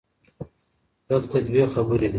دلته دوې خبري دي